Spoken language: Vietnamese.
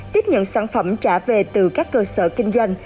tiếp nhận sản phẩm trả về từ các cơ sở kinh doanh